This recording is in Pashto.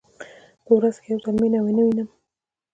په ورځ کې که یو ځل مینه ونه وینم.